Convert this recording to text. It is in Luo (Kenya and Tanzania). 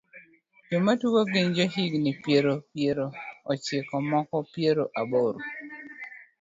Joma tugo gin jo higni piero piero ochiko moko piero aboro.